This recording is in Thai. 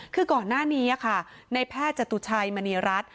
คือก่อนหน้านี้ค่ะในแพทย์จตุชัยมณีรัฐ